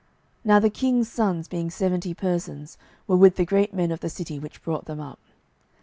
Now the king's sons, being seventy persons, were with the great men of the city, which brought them up.